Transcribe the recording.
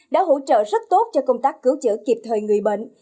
đã hỗ trợ rất tốt cho công tác cứu chữa kịp thời người bệnh